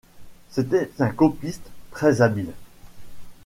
C'était un copiste très habile.